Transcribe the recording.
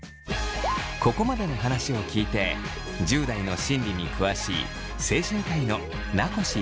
ここまでの話を聞いて１０代の心理に詳しい精神科医の名越康文さんは。